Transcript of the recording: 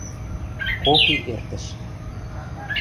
Кок и эртӹш.